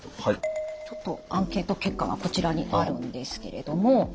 ちょっとアンケート結果がこちらにあるんですけれども。